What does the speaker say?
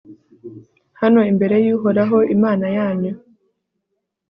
hano imbere y'uhoraho, imana yanyu